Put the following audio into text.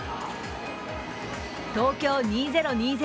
東京２０２０